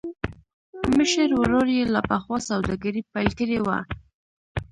مشر ورور يې لا پخوا سوداګري پيل کړې وه.